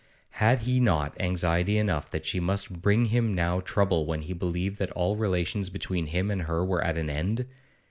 Had he not anxiety enough that she must bring him new trouble when he believed that all relations between him and her were at an end?